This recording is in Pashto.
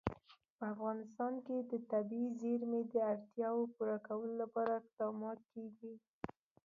په افغانستان کې د طبیعي زیرمې د اړتیاوو پوره کولو لپاره اقدامات کېږي.